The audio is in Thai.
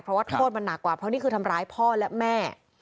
เพราะว่าโทษมันหนักกว่าเพราะนี่คือทำร้ายพ่อและแม่